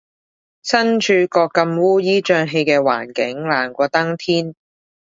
身處個咁烏煙瘴氣嘅環境，難過登天